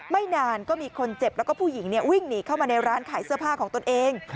ไม่นานก็มีคนเจ็บแล้วก็ผู้หญิงวิ่งหนีเข้ามาในร้านขายเสื้อผ้าของตนเอง